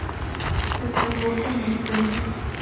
Destacó como esprínter.